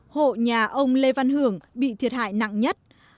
hộ nhà ông lê văn hưởng bị thiệt hại nặng nhất